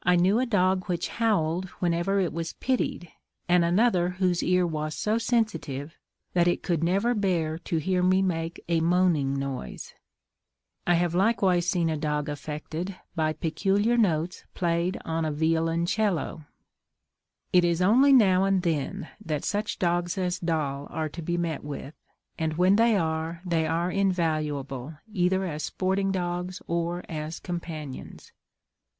I knew a dog which howled whenever it was pitied, and another whose ear was so sensitive, that it could never bear to hear me make a moaning noise. I have likewise seen a dog affected by peculiar notes played on a violoncello. It is only now and then that such dogs as Doll are to be met with, and when they are, they are invaluable, either as sporting dogs or as companions.